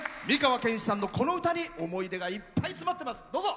美川憲一さんのこの歌に思い出がいっぱい詰まっています。